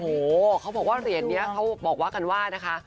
โอ้โหเขาบอกว่าเหรียญนี้เขาบอกว่ากันว่านะคะ